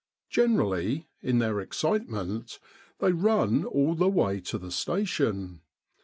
Generally, in their excitement, they run all the way to the station.